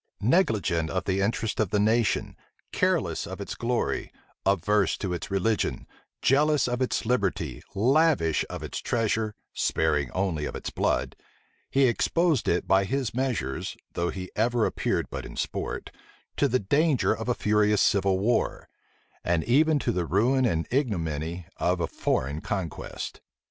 Negligent of the interests of the nation, careless of its glory, averse to its religion, jealous of its liberty, lavish of its treasure, sparing only of its blood, he exposed it by his measures, though he ever appeared but in sport, to the danger of a furious civil war, and even to the ruin and ignominy of a foreign conquest.